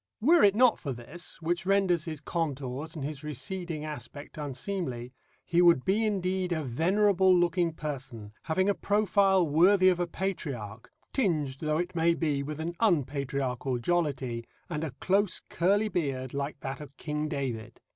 Were it not for this, which renders his contours and his receding aspect unseemly, he would be indeed a venerable looking person, having a profile worthy of a patriarch, tinged though it may be with an unpatriarchal jollity, and a close curly beard like that of King David.